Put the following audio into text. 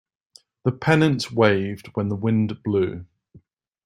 The pennant waved when the wind blew.